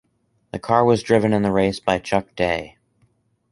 The car was driven in the race by Chuck Daigh.